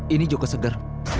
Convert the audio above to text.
ini joko seger